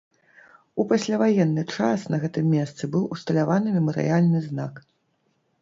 У пасляваенны час на гэтым месцы быў усталяваны мемарыяльны знак.